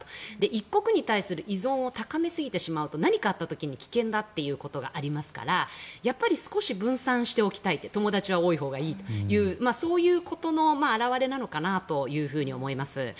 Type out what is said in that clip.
１国に対する依存を高めすぎてしまうと何かあった時に危険だということがありますから少し分散しておきたい友達は多いほうがいいというそういうことの表れなのかなと思います。